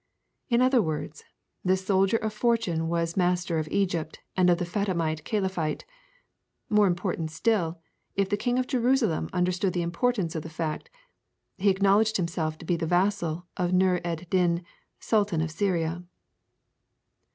In other words this soldier of fortune was master of Egypt and of the Fatimite caliphate. More important still, if the King of Jerusalem understood the importance of the fact, he acknowledged himself to be the vassal of Nûr ed Din, Sultan of Syria.